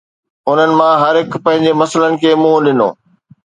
انهن مان هر هڪ پنهنجي مسئلن کي منهن ڏنو.